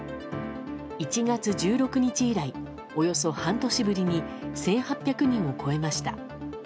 １月１６日以来およそ半年ぶりに１８００人を超えました。